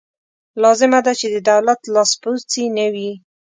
لازمه ده چې د دولت لاسپوڅې نه وي.